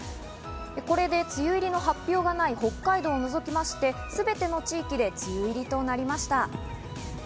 これで梅雨入りの発表がない北海道を除きまして、すべての地域で梅雨入りとなりました。